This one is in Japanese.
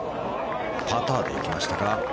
パターで行きましたか。